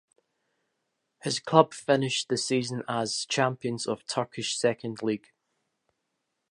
His club finished the season as champions of Turkish Second League.